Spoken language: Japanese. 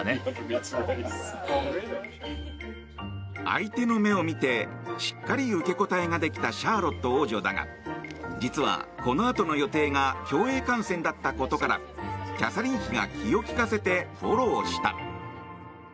相手の目を見てしっかり受け答えができたシャーロット王女だが実は、このあとの予定が競泳観戦だったことからキャサリン妃が気を利かせてフォローした。